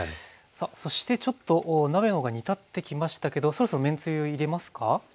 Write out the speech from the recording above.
さあそしてちょっと鍋の方が煮立ってきましたけどそろそろめんつゆ入れますか？